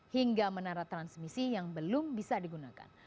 hingga menara transmisi yang belum bisa digunakan